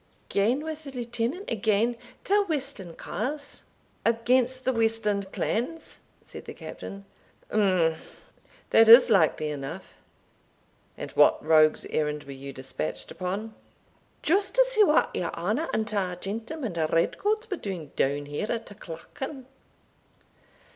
"Gane wi' the Lieutenant agane ta westland carles." "Against the westland clans?" said the Captain. "Umph that is likely enough; and what rogue's errand were you despatched upon?" "Just to see what your honour and ta gentlemen red coats were doing doun here at ta Clachan."